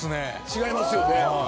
違いますよね。